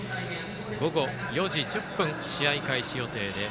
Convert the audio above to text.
午後４時１０分試合開始予定です。